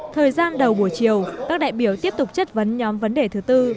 thời gian đầu buổi chiều các đại biểu tiếp tục chất vấn nhóm vấn đề thứ tư